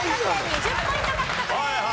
２０ポイント獲得です。